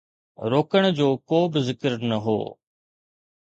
روڪڻ جو ڪو به ذڪر نه هو.